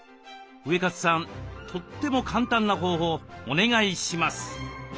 ウエカツさんとっても簡単な方法お願いします。